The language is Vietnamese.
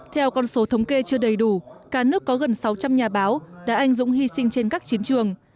theo con số thống kê chưa đầy đủ cả nước có gần sáu trăm linh nhà báo đã anh dũng hy sinh trên các chiến trường